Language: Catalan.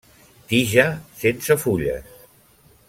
Tija sense fulles.